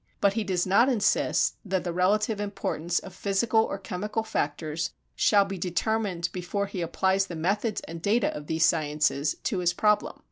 But he does not insist that the relative importance of physical or chemical factors shall be determined before he applies the methods and data of these sciences to his problem.